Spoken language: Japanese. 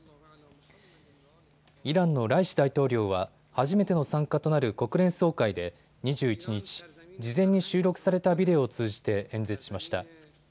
イランのライシ大統領は初めての参加となる国連総会で２１日、事前に収録されたビデオを通じて演説しました。